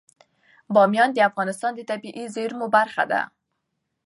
بامیان د افغانستان د طبیعي زیرمو برخه ده.